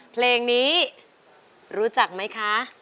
เพลงนี้รู้จักไหมคะ